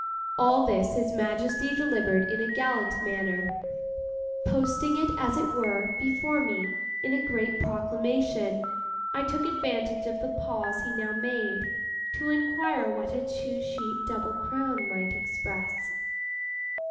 All this His Majesty delivered in a gallant manner; posting it, as it were, before me, in a great proclamation. I took advantage of the pause he now made, to inquire what a 'two sheet double crown' might express?